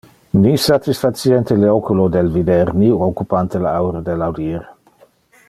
Ni satisfaciente le oculo del vider, ni occupante le aure del audir.